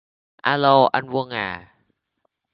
Alo Anh Quân à